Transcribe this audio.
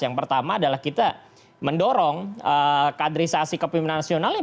yang pertama adalah kita mendorong kaderisasi kepimpinan nasionalnya